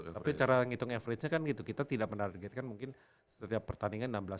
tapi cara ngitung average nya kan gitu kita tidak men targetkan mungkin setiap pertandingan enam belas